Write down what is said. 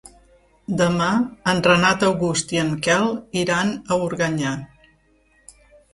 Demà en Renat August i en Quel iran a Organyà.